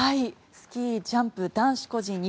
スキージャンプ男子個人